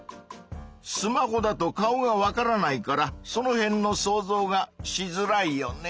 スマホだと顔がわからないからそのへんの想像がしづらいよね。